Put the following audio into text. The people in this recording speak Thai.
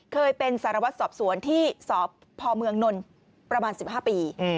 เคยเป็นสารวัตรสอบสวนที่สพเมืองนนท์ประมาณ๑๕ปี